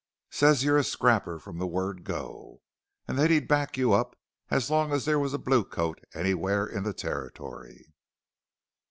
Says you're a scrapper from the word go, an' that he'd back you up long as there was a blue coat anywhere in the Territory!"